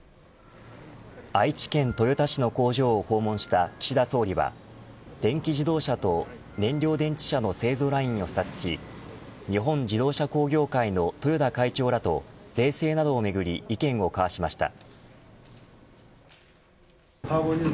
愛知県豊田市の工場を訪問した岸田総理は電気自動車と燃料電池車の製造ラインを視察し日本自動車工業会の豊田会長らと税制などをめぐり意見を交わしました。